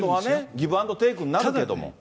ギブアンドテークになるけれども。